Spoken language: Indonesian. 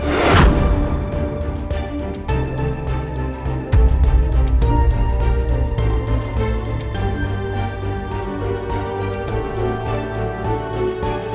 terima kasih banyak om